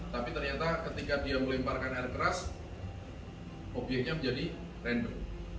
tapi ternyata ketika dia melemparkan air keras obyeknya menjadi random